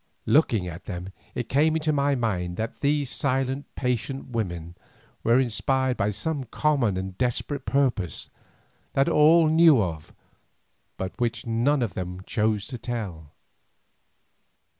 Looking at them it came into my mind that these silent patient women were inspired by some common and desperate purpose, that all knew of, but which none of them chose to tell.